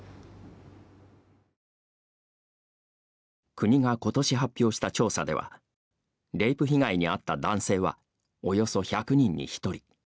国がことし発表した調査ではレイプ被害に遭った男性はおよそ１００人に１人。